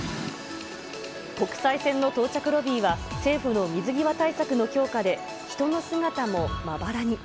国際線の到着ロビーは、政府の水際対策の強化で、人の姿もまばらに。